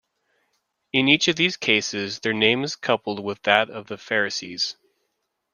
In each of these cases their name is coupled with that of the Pharisees.